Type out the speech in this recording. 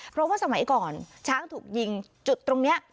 เพราะว่าสมัยก่อนช้างถูกยิงจุดตรงนี้